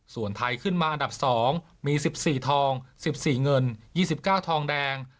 ส่วนไทยขึ้นมาอันดับ๒มี๑๔ทอง๑๔เงิน๒๙ทองแดง